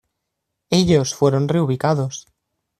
Ellos fueron reubicados.